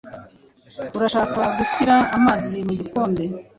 Urashaka gushyira amazi mu gikombe?